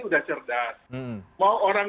sudah cerdas mau orang